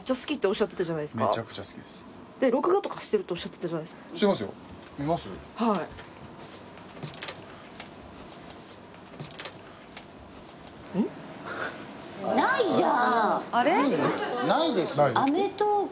しかないじゃん。